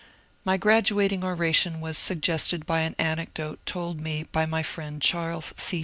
My graduating oration was suggested by an anecdote told me by my friend Charles C.